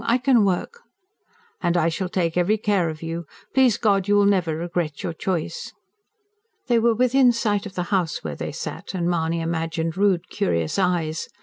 I can work." "And I shall take every care of you. Please God, you will never regret your choice." They were within sight of the house where they sat; and Mahony imagined rude, curious eyes.